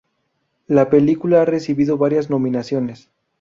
La película ha recibido varias nominaciones.